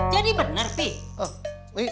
jadi bener pi